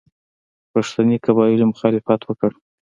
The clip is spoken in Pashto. پښتني قبایلو مخالفت وکړ.